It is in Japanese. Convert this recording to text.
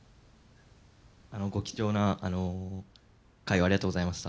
ご貴重な会をありがとうございました。